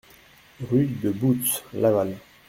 Rue de Bootz, Laval